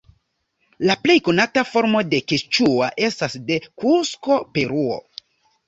La plej konata formo de keĉua estas de Kusko, Peruo.